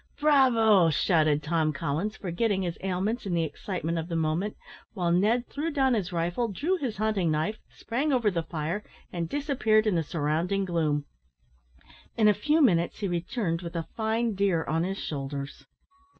"Bravo!" shouted Tom Collins, forgetting his ailments in the excitement of the moment, while Ned threw down his rifle, drew his hunting knife, sprang over the fire, and disappeared in the surrounding gloom. In a few minutes he returned with a fine deer on his shoulders.